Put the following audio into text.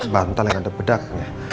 bantal yang ada bedak